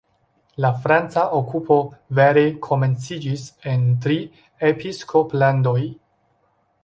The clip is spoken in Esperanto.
La franca okupo vere komenciĝis en Tri-Episkoplandoj.